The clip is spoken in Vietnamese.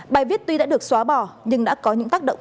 bài viết tuy đã được xóa bỏ nhưng đã có những tác động